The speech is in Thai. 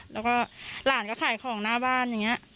แล้วก็หลานก็ขายของหน้าบ้านอย่างนี้